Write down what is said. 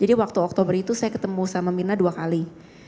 waktu oktober itu saya ketemu sama mirna dua kali